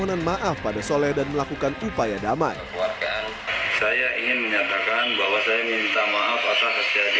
saya maafin ini jadi pelaksanaan sama kita berdua